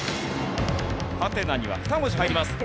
ハテナには２文字入ります。